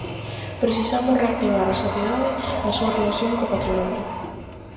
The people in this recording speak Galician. Precisamos reactivar a sociedade na súa relación co patrimonio.